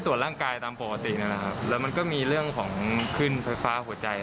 ฟังก้าวจิรายุจ่ะ